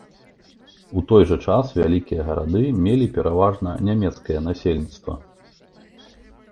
У той жа час вялікія гарады мелі пераважна нямецкае насельніцтва.